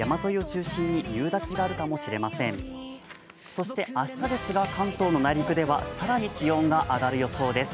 そして明日ですが、関東の内陸では更に気温が上がる予想です。